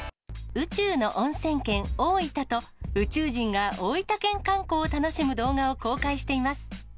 宇宙ノオンセン県オオイタと、宇宙人が大分県観光を楽しむ動画を公開しています。